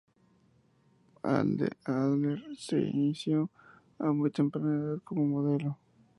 Adler se inició a muy temprana edad como modelo.